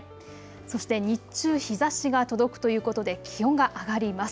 そして日中、日ざしが届くということで気温が上がります。